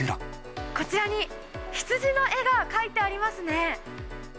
こちらに羊の絵が描いてありますね。